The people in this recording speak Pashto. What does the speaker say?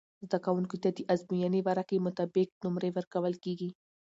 زده کوونکو ته د ازموينې ورقعی مطابق نمرې ورکول کیږی